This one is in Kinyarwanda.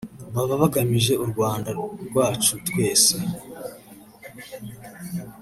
Baba bagamije u Rwanda rwacu twese